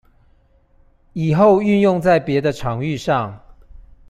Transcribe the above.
以後運用在別的場域上